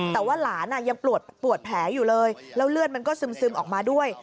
แต่ว่าหลานยังปวดแผลอยู่เลยแล้วเลือดมันก็ซึมออกมาด้วย